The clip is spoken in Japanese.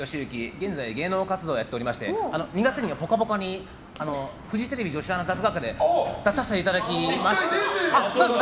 現在、芸能活動をやっておりまして２月には「ぽかぽか」にフジテレビ女子アナ雑学で出させていただきまして。